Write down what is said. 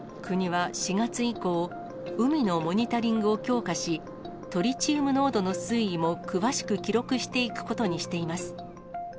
国は４月以降、海のモニタリングを強化し、トリチウム濃度の推移も詳しく記録していくことにしています。